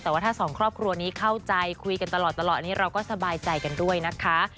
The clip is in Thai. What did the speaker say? แต่ว่าถ้าสองครอบครัวนี้เข้าใจคุยกันตลอดอันนี้เราก็สบายใจกันด้วยนะคะ